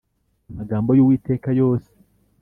amagambo y Uwiteka yose